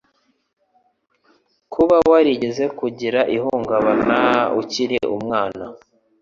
Kuba warigeze kugira ihungabana ukiri umwana